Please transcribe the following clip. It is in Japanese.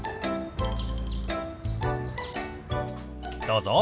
どうぞ。